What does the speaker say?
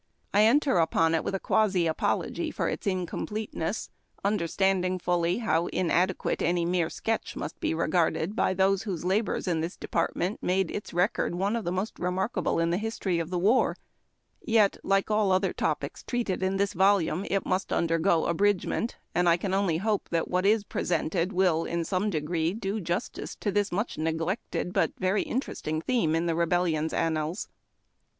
I enter upon it with a quasi apology for its incompleteness, understanding fully how inadequate any mere sketch must be regarded by those whose labors in this department made its record one of the most remarkable in the history of the war ; yet, like all the other topics treated in this volume, it must undergo abridgment, and I can only hope that what is presented will, in some degree, do justice to this much neglected but very interesting theme in the Rebellion's annals.